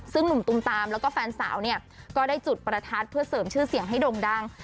ซึ่งหนุ่มตุมตามแล้วก็แฟนสาวเนี่ยก็ได้จุดประทัดเพื่อเสริมชื่อเสียงให้ด่งดัง